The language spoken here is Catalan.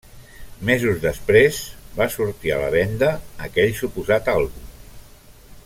Mesos després, va sortir a la venda aquell suposat àlbum.